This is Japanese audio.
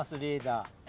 リーダー。